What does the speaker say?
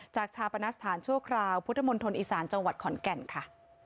ชาปนสถานชั่วคราวพุทธมณฑลอีสานจังหวัดขอนแก่นค่ะ